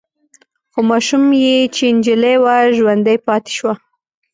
خو ماشوم يې چې نجلې وه ژوندۍ پاتې شوه.